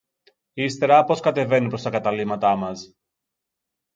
Ύστερα, πως κατεβαίνει προς τα καταλύματα μας